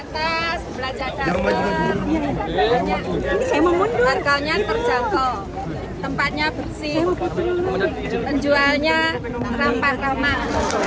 tempatnya bersih penjualnya rampas rampas